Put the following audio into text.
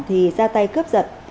thì ra tay cướp giật